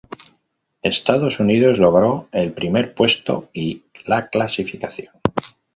Estados Unidos logró el primer puesto y la clasificación.